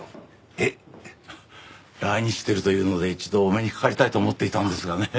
えっ？来日してるというので一度お目にかかりたいと思っていたんですがね